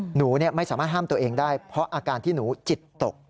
หนูไม่สามารถห้ามตัวเองได้เพราะอาการที่หนูจิตตก